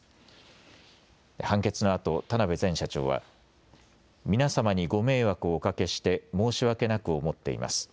判決のあと田邊前社長は皆様にご迷惑をおかけして申し訳なく思っています。